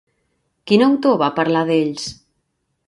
Quin autor va parlar d'ells?